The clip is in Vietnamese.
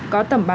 có tầm bắn